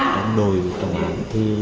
đồng đội đồng án